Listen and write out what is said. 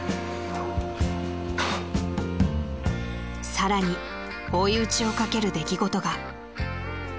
［さらに追い打ちをかける出来事が］